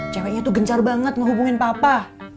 ceweknya tuh gencar banget ngehubungin papa